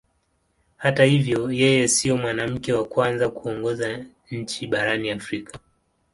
Hata hivyo yeye sio mwanamke wa kwanza kuongoza nchi barani Afrika.